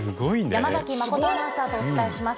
山誠アナウンサーとお伝えします。